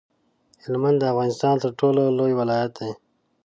هلمند د افغانستان تر ټولو لوی ولایت دی.